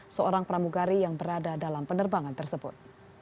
seorang pramugari yang berada dalam penerbangan tersebut